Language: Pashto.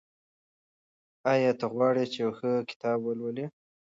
آیا ته غواړې چې یو ښه کتاب ولولې؟